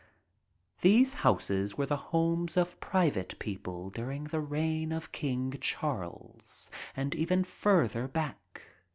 These houses were the homes of private people during the reign of King Charles and even farther back.